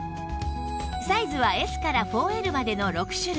サイズは Ｓ から ４Ｌ までの６種類